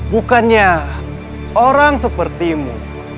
bukannya orang sepertimu